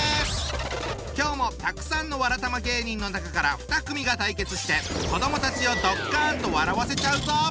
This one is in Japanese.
今日もたくさんのわらたま芸人の中から２組が対決して子どもたちをドッカンと笑わせちゃうぞ！